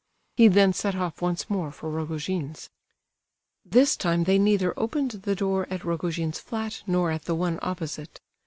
He then set off once more for Rogojin's. This time they neither opened the door at Rogojin's flat nor at the one opposite.